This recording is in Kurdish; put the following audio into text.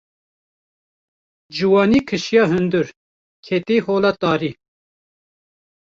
Ciwanî kişiya hundir, kete hola tarî.